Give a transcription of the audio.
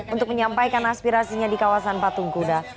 untuk menyampaikan aspirasinya di kawasan patung kuda